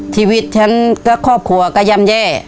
ชีวิตฉันก็ครอบครัวก็ย่ำแย่